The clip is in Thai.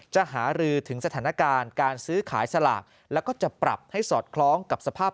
หารือถึงสถานการณ์การซื้อขายสลากแล้วก็จะปรับให้สอดคล้องกับสภาพ